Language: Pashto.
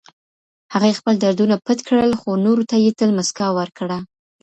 هغې خپل دردونه پټ کړل، خو نورو ته يې تل مسکا ورکړه.